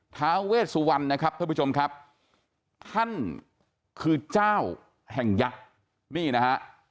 ท้าเวสวรรณนะครับท่านผู้ชมครับท่านคือเจ้าแห่งยักษ์นี่นะฮะ